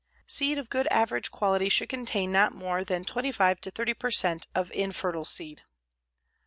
Seed of good average quality should contain not more than 25 30 per cent of infertile seed.